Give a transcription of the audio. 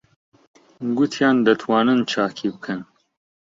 گوتیان دەتوانن چاکی بکەن.